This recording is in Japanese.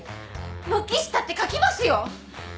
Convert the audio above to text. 軒下って書きますよ！